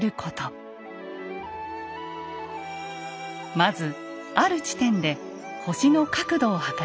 まずある地点で星の角度を測ります。